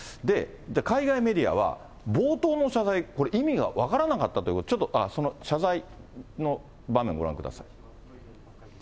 海外メディアは、冒頭の謝罪、これ、意味が分からなかったということで、ちょっとその謝罪の場面ご覧ください。